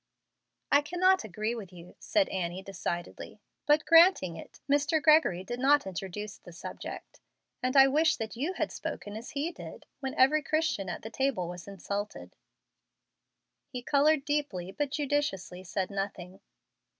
"I cannot agree with you," said Annie, decidedly; "but, granting it, Mr. Gregory did not introduce the subject, and I wish you had spoken as he did when every Christian at the table was insulted." He colored deeply, but judiciously said nothing.